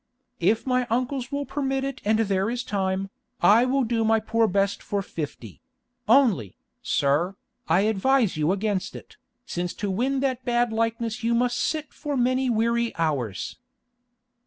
If my uncles will permit it and there is time, I will do my poor best for fifty—only, sir, I advise you against it, since to win that bad likeness you must sit for many weary hours."